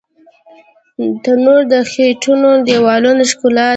تنور د خټینو دیوالونو ښکلا ده